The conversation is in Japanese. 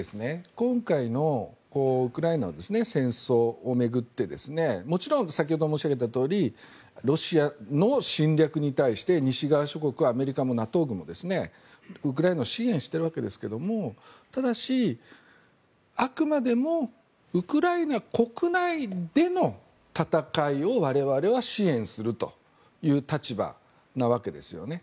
今回のウクライナの戦争を巡ってもちろん先ほど申し上げたとおりロシアの侵略に対して西側諸国、アメリカもＮＡＴＯ軍もウクライナを支援しているわけですがただし、あくまでもウクライナ国内での戦いを我々は支援するという立場なわけですよね。